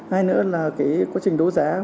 hay nữa là quá trình đấu giá